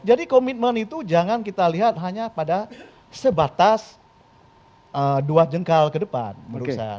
jadi komitmen itu jangan kita lihat hanya pada sebatas dua jengkal ke depan menurut saya